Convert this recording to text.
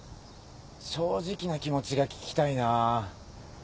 正直な気持ちが聞きたいなぁ。